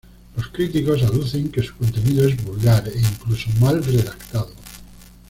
Los críticos aducen que su contenido es vulgar e incluso mal redactado.